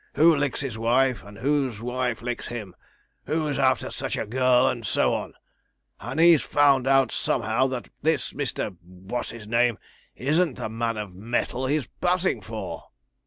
who licks his wife, and whose wife licks him who's after such a girl, and so on and he's found out somehow that this Mr. What's his name isn't the man of metal he's passing for.'